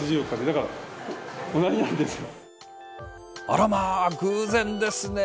あらま、偶然ですね。